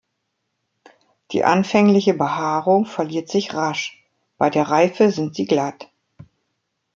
Die anfängliche Behaarung verliert sich rasch, bei der Reife sind sie glatt.